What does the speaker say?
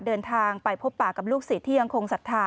เดินทางไปพบป่ากับลูกศิษย์ที่ยังคงศรัทธา